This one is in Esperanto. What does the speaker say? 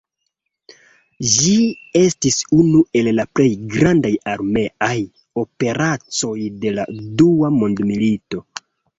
Ĝi estis unu el la plej grandaj armeaj operacoj de la dua mondmilito.